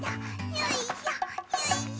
よいしょよいしょ。